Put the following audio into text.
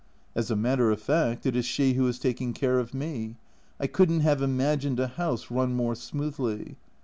As a matter of fact it is she who is taking care of me ; I couldn't have imagined a house run more smoothly.